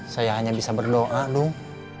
saya hanya bisa berdoa dong